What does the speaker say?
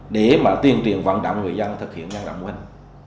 để mà tuyên truyền vận động người dân thực hiện nhân rộng mô hình